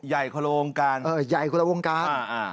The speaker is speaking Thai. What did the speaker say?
ใหญ่คนละวงการ